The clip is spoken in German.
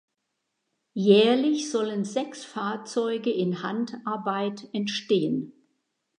Jährlich sollen sechs Fahrzeuge in Handarbeit entstehen.